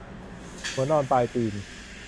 หัวนอนปลายตีน